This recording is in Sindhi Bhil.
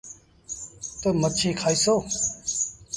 تا مڇي کآئيسو۔